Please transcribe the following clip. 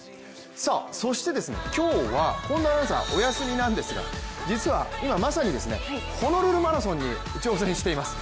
そして、今日は近藤アナウンサー、お休みなんですが実は今まさにホノルルマラソンに挑戦しています。